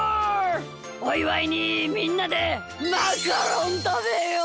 おいわいにみんなでマカロンたべよう！